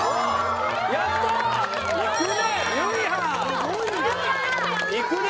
すごいね。